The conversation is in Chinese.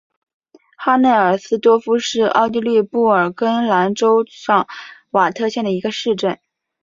哈内尔斯多夫是奥地利布尔根兰州上瓦特县的一个市镇。